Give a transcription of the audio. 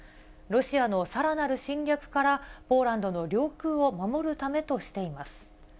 ロシアのさらなる侵略から、ポーランドの領空を守るためとしています。